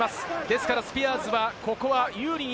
ですからスピアーズは、ここは有利に。